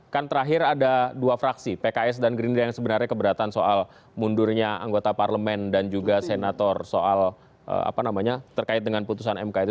kan terakhir ada dua fraksi pks dan gerindra yang sebenarnya keberatan soal mundurnya anggota parlemen dan juga senator soal apa namanya terkait dengan putusan mk itu